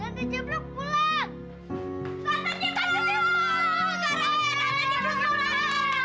tante cipuluk pulang